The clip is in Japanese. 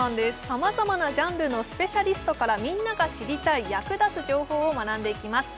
様々なジャンルのスペシャリストからみんなが知りたい役立つ情報を学んでいきます